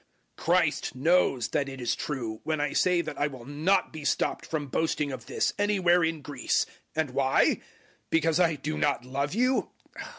011:010 Christ knows that it is true when I say that I will not be stopped from boasting of this anywhere in Greece. 011:011 And why? Because I do not love you?